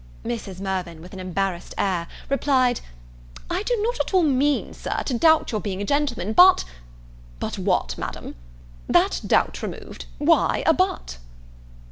Mrs. Mirvan, with an embarrassed air, replied, "I do not at all mean, Sir, to doubt your being a gentleman, but " "But what, Madam? that doubt removed, why a but?"